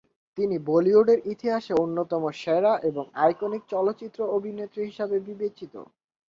তিনি বলিউডের ইতিহাসের অন্যতম সেরা এবং আইকনিক চলচ্চিত্র অভিনেত্রী হিসাবে বিবেচিত।